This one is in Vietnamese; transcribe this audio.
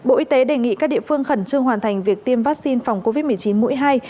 bộ y tế đề nghị các địa phương khẩn trương hoàn thành việc tiêm vaccine phòng covid một mươi chín mũi hai